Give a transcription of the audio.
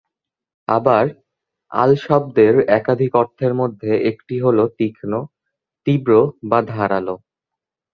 আবার, 'আল' শব্দের একাধিক অর্থের মধ্যে একটি হল 'তীক্ষ্ণ', 'তীব্র' বা 'ধারালো'।